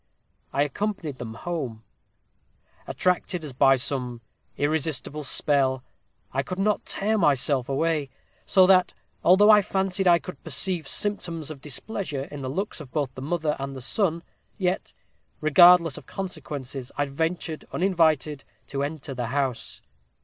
"I accompanied them home. Attracted as by some irresistible spell, I could not tear myself away; so that, although I fancied I could perceive symptoms of displeasure in the looks of both the mother and the son, yet, regardless of consequences, I ventured, uninvited, to enter the house.